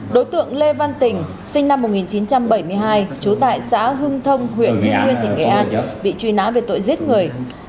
đối tượng lê văn tỉnh sinh năm một nghìn chín trăm bảy mươi hai trú tại xã hưng thông huyện hưng nguyên tỉnh nghệ an bị truy nã về tội giết người